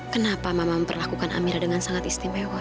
kenapa mama memperlakukan amira dengan sangat istimewa